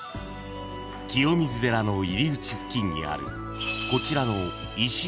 ［清水寺の入り口付近にあるこちらの］